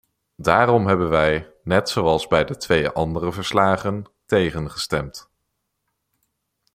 Daarom hebben wij, net zoals bij de twee andere verslagen, tegengestemd.